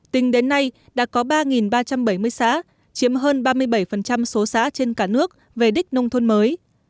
tính đến nay đã có ba ba trăm bảy mươi xã chiếm hơn ba mươi bảy số xã trên cả nước về đích nông thôn mới